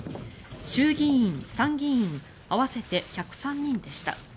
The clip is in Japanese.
衆議院、参議院合わせて１０３人でした。